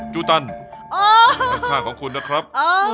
จุตันซักท่านคุณนะครับ